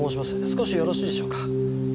少しよろしいでしょうか？